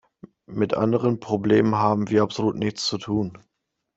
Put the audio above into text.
Mit anderen Problemen haben wir absolut nichts zu tun.